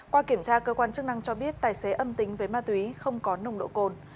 qua kiểm tra cơ quan chức năng cho biết tài xế âm tính với ma túy không có nồng độ cồn